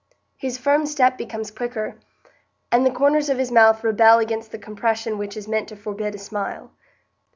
His firm step becomes quicker, and the corners of his mouth rebel against the compression which is meant to forbid a smile.